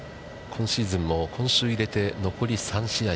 今シーズンも今週入れて、残り３試合。